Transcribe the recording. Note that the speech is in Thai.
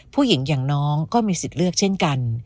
ผู้หญิงอย่างน้องก็มีสิทธิ์เลือกเช่นกัน